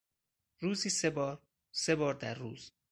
روزی سه بار، سه بار در روز